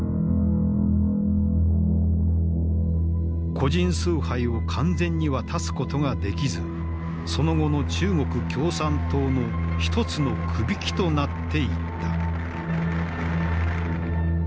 個人崇拝を完全には断つことができずその後の中国共産党の一つのくびきとなっていった。